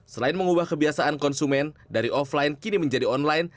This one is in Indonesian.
selain mengubah kebiasaan konsumen dari offline kini menjadi online